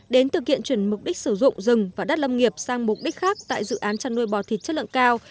đến thực hiện chuyển mục đích sử dụng rừng và đất lâm nghiệp sang mục đích khác tại dự án chăn nuôi bò thịt chất lượng cao